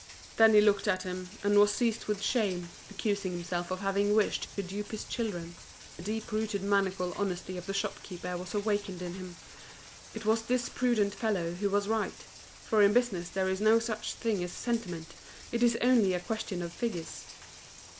Then he looked at him, and was seized with shame, accusing himself of having wished to dupe his children. The deep rooted maniacal honesty of the shopkeeper was awakened in him; it was this prudent fellow who was right, for in business there is no such thing as sentiment, it is only a question of figures.